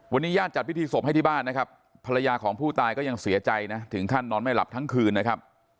วันนี้ญาติจัดพิธีศพให้ที่บ้านนะครับภรรยาของผู้ตายก็ยังเสียใจนะถึงขั้นนอนไม่หลับทั้งคืนนะครับ